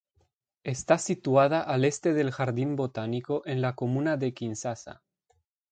Está situada al este del Jardín Botánico en la comuna de Kinsasa.